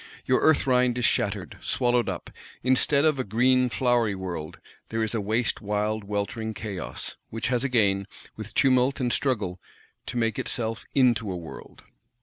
Your "Earth rind" is shattered, swallowed up; instead of a green flowery world, there is a waste wild weltering chaos:—which has again, with tumult and struggle, to make itself into a world.